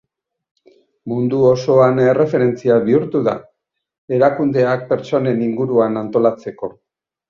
Mundu osoan erreferentzia bihurtu da, erakundeak pertsonen inguruan antolatzeko.